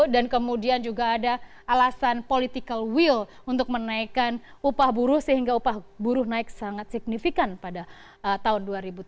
kemudian juga ada alasan political will untuk menaikkan upah buruh sehingga upah buruh naik sangat signifikan pada tahun dua ribu tujuh belas